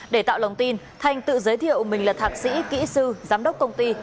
để tạo lòng tin thành tự giới thiệu mình là thạc sĩ kỹ sư giám đốc công ty